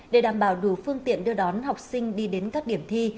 để đảm bảo đủ phương tiện đưa đón học sinh đi đến các điểm thi